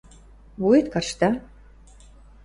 Вует каршта?